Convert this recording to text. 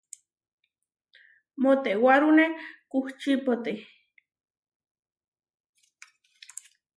Moʼtewárune kuučípote.